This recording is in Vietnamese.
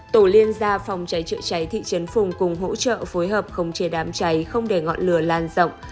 tổ liên gia phòng cháy trợ cháy thị trấn phùng cùng hỗ trợ phối hợp không chê đám cháy không để ngọn lửa lan rộng